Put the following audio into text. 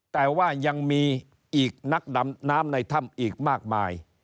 แต่ว่ายังมีอีกนักดำน้ำในถ้ำอีกมากมาย